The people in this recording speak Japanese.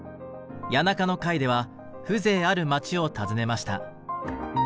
谷中の回では風情ある街を訪ねました。